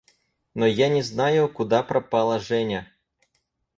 – Но я не знаю, куда пропала Женя.